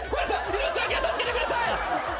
命だけは助けてください！